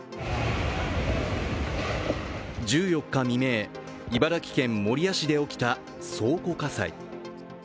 １４日未明、茨城県守谷市で起きた倉庫火災。